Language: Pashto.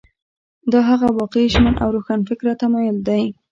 دا هغه واقعي ژمن او روښانفکره تمایل دی.